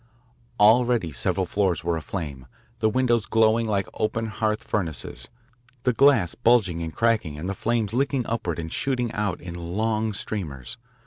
Already several floors were aflame, the windows glowing like open hearth furnaces, the glass bulging and cracking and the flames licking upward and shooting out in long streamers.